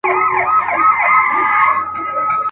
که نڅا وي خو زه هم سم نڅېدلای.